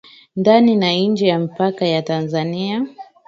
ndani na nje ya mipaka ya Tanzania